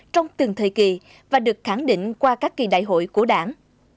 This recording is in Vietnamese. trong từng thời kỳ và được khẳng định qua các kỳ đại hội của đảng